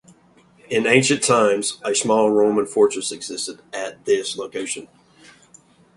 In ancient times, a small Roman fortress existed at this location.